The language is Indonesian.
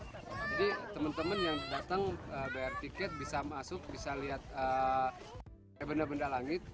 jadi teman teman yang datang bayar tiket bisa masuk bisa lihat benda benda langit